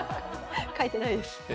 書いてないです。